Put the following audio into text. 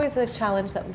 tantangan yang kita hadapi